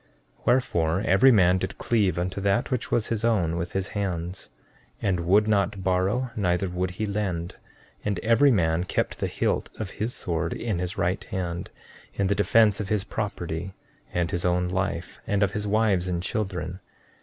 14:2 Wherefore every man did cleave unto that which was his own, with his hands, and would not borrow neither would he lend; and every man kept the hilt of his sword in his right hand, in the defence of his property and his own life and of his wives and children.